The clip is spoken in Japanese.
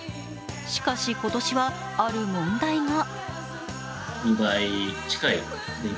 しかし今年はある問題が。